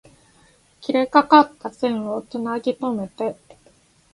切れかかった線を繋ぎとめて